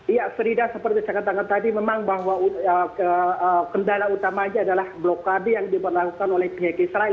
iya frida seperti saya katakan tadi memang bahwa kendala utamanya adalah blokade yang diberlakukan oleh pihak israel